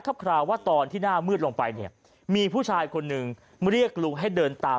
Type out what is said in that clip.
คราวว่าตอนที่หน้ามืดลงไปเนี่ยมีผู้ชายคนหนึ่งเรียกลุงให้เดินตาม